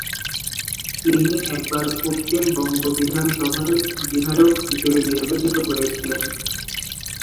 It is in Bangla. তিনি একবার পশ্চিমবঙ্গ বিধানসভার বিধায়ক হিসেবে নির্বাচিত হয়েছিলেন।